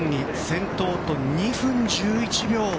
先頭と２分１１秒。